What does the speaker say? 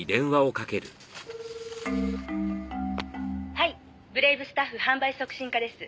「はいブレイブスタッフ販売促進課です」